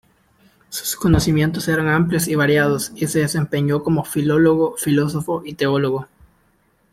Sus conocimientos eran amplios y variados, y se desempeñó como filólogo, filósofo y teólogo.